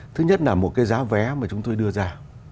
thứ nhất là một cái giá vé mà chúng tôi đưa ra